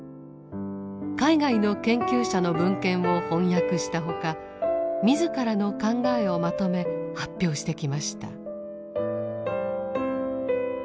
海外の研究者の文献を翻訳したほか自らの考えをまとめ発表してきました。